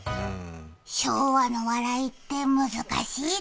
昭和の笑いって難しいね。